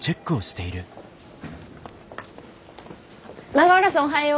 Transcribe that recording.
永浦さんおはよう。